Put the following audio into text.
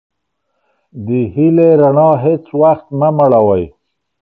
د هیلې رڼا هیڅ وختمه مړوئ.